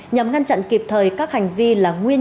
nhằm ngăn chặn kịp thời các hành vi là nguyên